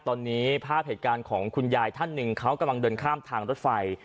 ตอนนี้ภาพเหตุการณ์ของคุณยายท่านหนึ่งเขากำลังเดินข้ามทางรถไฟ